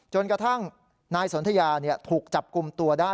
จนกระทั่งนายสนทยาถูกจับกลุ่มตัวได้